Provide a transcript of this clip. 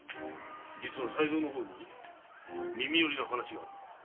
実は才三の方に耳よりな話があるのだ。